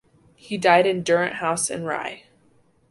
He died in Durrant House in Rye.